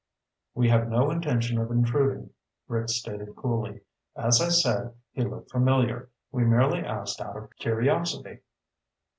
"We have no intention of intruding," Rick stated coolly. "As I said, he looked familiar. We merely asked out of curiosity."